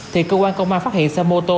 thì cơ quan công an phát hiện xe mô tô